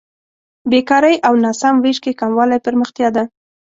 بېکارۍ او ناسم وېش کې کموالی پرمختیا ده.